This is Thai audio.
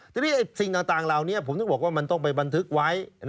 ทีนี้สิ่งต่างเหล่านี้ผมถึงบอกว่ามันต้องไปบันทึกไว้